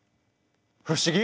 不思議！